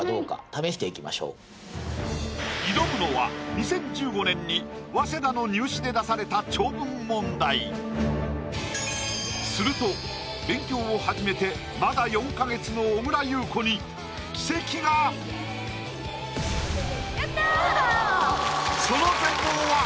挑むのは２０１５年に早稲田の入試で出された長文問題すると勉強を始めてまだ４か月のやった！